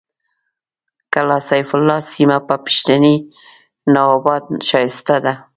کلا سیف الله سیمه په پښتني نوابانو ښایسته ده